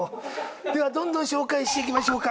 ではどんどん紹介して行きましょうか。